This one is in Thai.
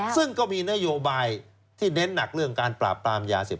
ซึ่งก็มีนโยบายที่เน้นหนักเรื่องการปราบปรามยาเสพ